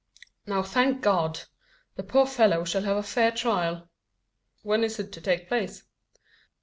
Now, thank God! the poor fellow shall have a fair trial." "When is it to take place?"